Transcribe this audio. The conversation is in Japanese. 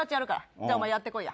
じゃあ、お前やってこいや。